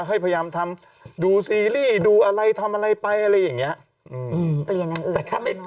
อันนี้มันอยู่ในสมองเลย